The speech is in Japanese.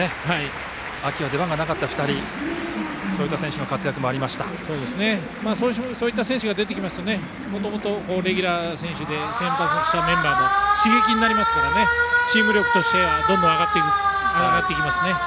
秋は出番がなかった２人そういった選手の活躍もそういった選手が出てくるともともとレギュラーで先発したメンバーにも刺激になりますからチーム力としてはどんどん上がっていきますね。